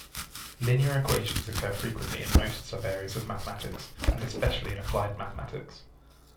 Linear equations occur frequently in most subareas of mathematics and especially in applied mathematics.